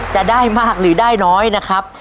จะได้มากหรือได้น้อยนะครับ